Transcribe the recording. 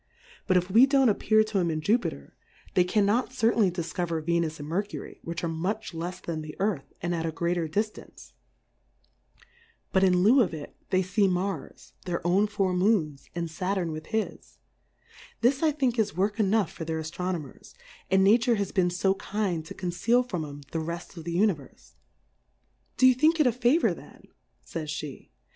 But if we don't appear to 'em in Jupt^r^ they cannot certain ly Plurality ^/WORLDS, iiy ly difcover Fenm and Mercury^ whfch are much lefs than the Earth, and at a greater diftance ; but in Heu of it, they feeM/rj, their own Four Moons, and' Saturn with his ; this I think is work enough for their Aflronomers ; and Na ture has been fo kind to conceal from 'em the reft of the Univerfe. Do you think it a Favour then, fays' Jhe?